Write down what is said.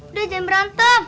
udah jangan berantem